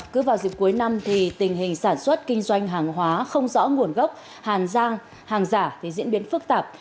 cứ vào dịp cuối năm tình hình sản xuất kinh doanh hàng hóa không rõ nguồn gốc hàng giả diễn biến phức tạp